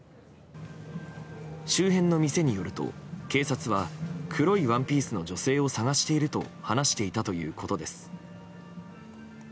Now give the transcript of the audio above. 周辺の店によると、警察は黒いワンピースの女性を探していると話していたということです。